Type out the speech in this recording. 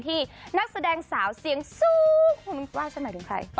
ที่นักแสดงสาวเสียงสูงว่าฉันหมายถึงใคร